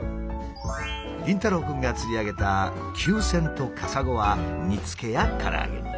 凛太郎くんが釣り上げたキュウセンとカサゴは煮つけやからあげに。